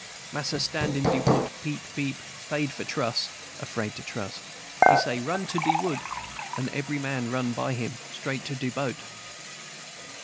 "Mas'r stand in de wood, peep, peep, faid for truss [afraid to trust]. He say, 'Run to de wood!' and ebry man run by him, straight to de boat.